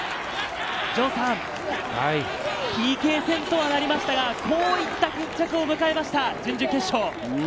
ＰＫ戦とはなりましたが、こういった決着を迎えました準々決勝。